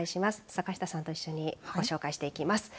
坂下さんと一緒にご紹介していきます。